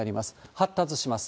発達します。